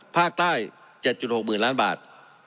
ภาคใต้๗๖๐๐๐ล้านบาท